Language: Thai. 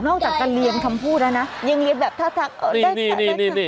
นอกจากการเรียนคำพูดแล้วนะอย่างนี้แบบถ้านี่นี่นี่นี่นี่